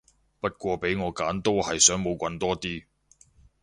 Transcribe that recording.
不過俾我揀我都係想冇棍多啲